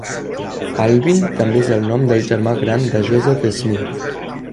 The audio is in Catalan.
Alvin també és el nom del germà gran de Joseph Smith.